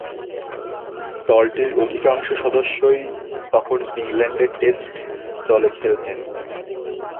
দলটির অধিকাংশ সদস্যই তখন ইংল্যান্ডের টেস্ট দলে খেলতেন।